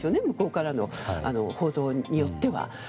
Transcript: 向こうからの報道によっては。